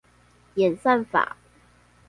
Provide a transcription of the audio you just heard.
演算法